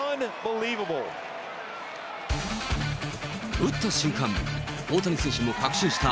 打った瞬間、大谷選手も確信した